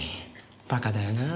バカだよなぁ。